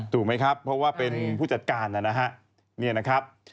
ถูกไหมครับเพราะว่าเป็นผู้จัดการนะครับ